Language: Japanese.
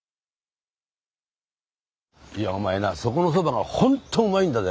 いやお前なそこのそばがほんとうまいんだぜ。